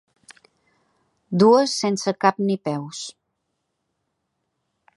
Dues sense cap ni peus.